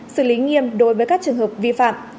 xử lý nghiêm đối với các trường hợp vi phạm